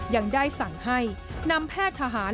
ยังได้สั่งให้นำแพทย์ทหาร